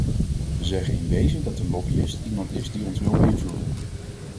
We zeggen in wezen dat een lobbyist iemand is die ons wil beïnvloeden.